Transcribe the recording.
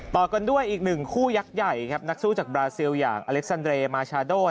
ต่อกันด้วยอีกหนึ่งคู่ยักษ์ใหญ่ครับนักสู้จากบราซิลอย่างอเล็กซันเรย์มาชาโด